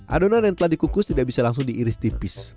adonan yang telah dikukus tidak bisa langsung diiris tipis